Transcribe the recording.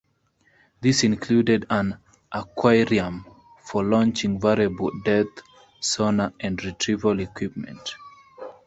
This included an "aquarium" for launching variable depth sonar and retrieval equipment.